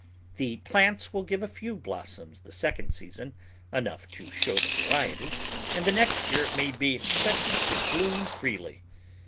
The plants will give a few blossoms the second season, enough to show the variety, and the next year may be expected to bloom freely.